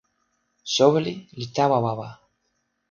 soweli li tawa wawa.